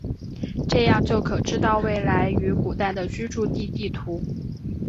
这样就可知道未来与古代的居住地地图。